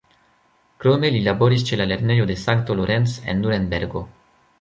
Krome li laboris ĉe la lernejo de St. Lorenz en Nurenbergo.